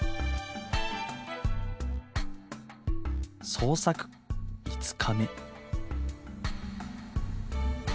捜索５日目。